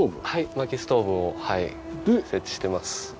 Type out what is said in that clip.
はい薪ストーブを設置してます。